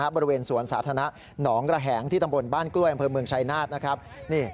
บริเวณสวนสาธารณะหนองระแหงที่ตำบลบ้านกล้วยอำเภอเมืองชายนาฏนะครับ